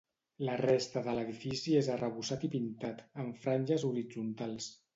La resta de l'edifici és arrebossat i pintat, amb franges horitzontals.